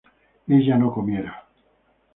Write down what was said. ella no comiera